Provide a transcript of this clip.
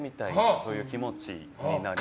そういう気持ちになります。